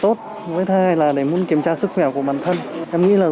có thông báo là ở trung tâm đang thiếu máu công trình thì chúng ta sẽ có thể tham gia